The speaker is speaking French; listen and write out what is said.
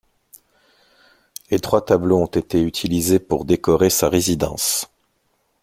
Les trois tableaux ont été utilisés pour décorer sa résidence.